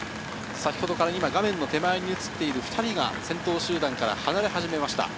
画面の手前に映っている２人が先頭集団から離れ始めました。